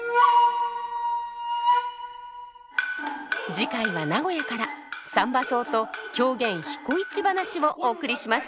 次回は名古屋から「三番叟」と狂言「彦市ばなし」をお送りします。